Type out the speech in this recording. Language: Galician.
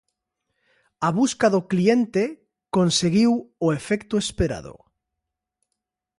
A busca do cliente conseguiu o efecto esperado.